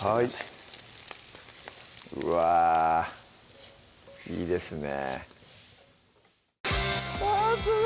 はいうわいいですね